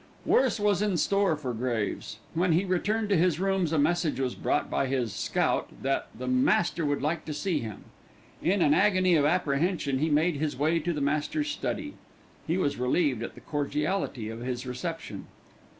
Worse was in store for Graves. When he returned to his rooms a message was brought by his "scout" that the Master would like to see him. In an agony of apprehension he made his way to the Master's study. He was relieved at the cordiality of his reception.